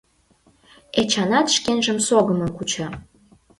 Эчанат шкенжым согымын куча.